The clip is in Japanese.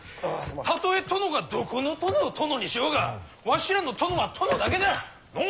たとえ殿がどこの殿を殿にしようがわしらの殿は殿だけじゃ！のう？